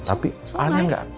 tapi al nya gak ada